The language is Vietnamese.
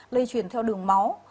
lây truyền theo đường máu